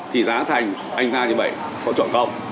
thì giá thành anh ta như vậy có chọn không